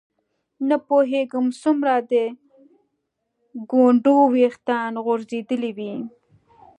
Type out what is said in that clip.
نه پوهېږم څومره د ګونډو ویښتان غورځېدلي وي.